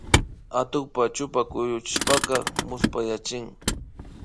Atukpa chupa kuyurishpaka muspayachin